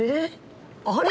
あれ？